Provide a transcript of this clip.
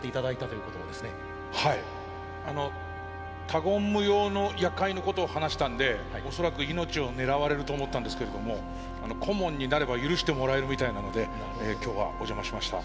他言無用の夜会のことを話したんで恐らく命を狙われると思ったんですけれども顧問になれば許してもらえるみたいなので今日はお邪魔しました。